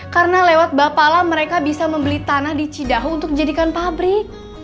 karena lewat bapaklah mereka bisa membeli tanah di cidaho untuk jadikan pabrik